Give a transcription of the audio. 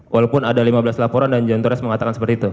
walaupun ada lima belas laporan dan john tores mengatakan seperti itu